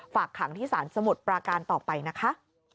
ฝากขังที่ศาลสมุทรปราการต่อไปนะคะ